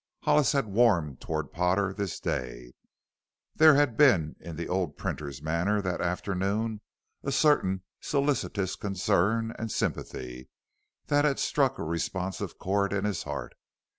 Hollis had warmed toward Potter this day; there had been in the old printer's manner that afternoon a certain solicitous concern and sympathy that had struck a responsive chord in his heart.